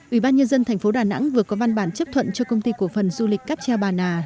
ủy ban nhân dân tp đà nẵng vừa có văn bản chấp thuận cho công ty của phần du lịch cáp treo bà nà